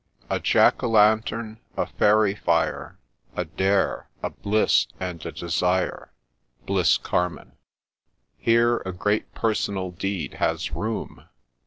" A Tack o' lantem, a fairy fire, A dare, a bliss, and a desire." — Bliss Carman. " Here a great personal deed has room."